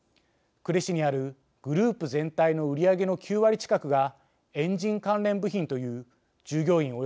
呉市にあるグループ全体の売り上げの９割近くがエンジン関連部品という従業員